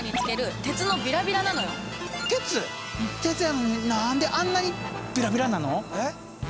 鉄やのに何であんなにビラビラなの？